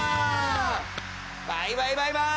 バイバイバイバーイ！